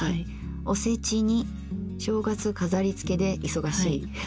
「おせち煮正月かざりつけで忙しい」。